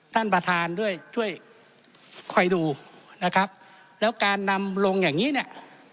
ท่านประธานด้วยช่วยคอยดูนะครับแล้วการนำลงอย่างนี้เนี่ย